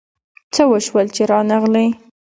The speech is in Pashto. څه وشول چي رانغلې ؟